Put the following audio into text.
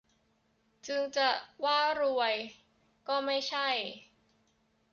จึงจะว่ารวยก็ไม่ใช่